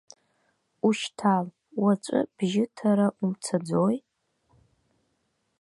Ушьҭал, уаҵәы бжьыҭара умцаӡои?